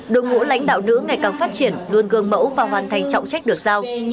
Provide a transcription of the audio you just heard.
đồng ngũ lãnh đạo nữ ngày càng phát triển luôn gương mẫu và hoàn thành trọng trách được giao